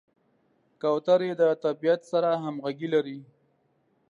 کوترې د طبیعت سره همغږي لري.